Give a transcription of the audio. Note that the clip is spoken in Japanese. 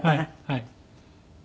はい。